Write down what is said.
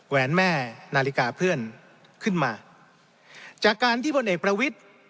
แวนแม่นาฬิกาเพื่อนขึ้นมาจากการที่พลเอกประวิทธิ์